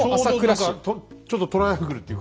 ちょうど何かちょっとトライアングルっていうか。